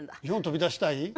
日本飛び出したい？